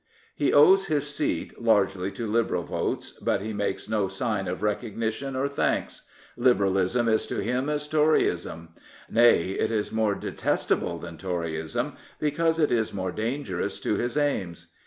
He owes his seat largely to Liberal votes; but he makes no sign of recognition or thanks. Liberalism is to him as Toryism. Nay, it is more detestable than Toryism, because it is more dangerous to his aims.